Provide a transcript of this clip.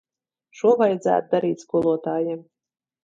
Šo vajadzētu darīt skolotājiem.